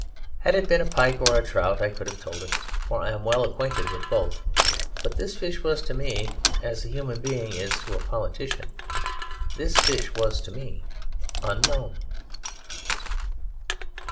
Had it been a pike or a trout I could have told it, for I am well acquainted with both; but this fish was to me as a human being is to a politician: this fish was to me unknown....